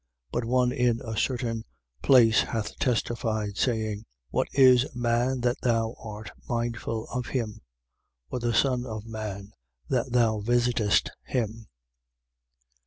2:6. But one in a certain place hath testified, saying: What is man, that thou art mindful of him? Or the son of man, that thou visitest him?